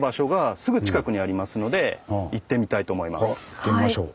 行ってみましょう。